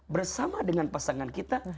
bersama dengan pasangan kita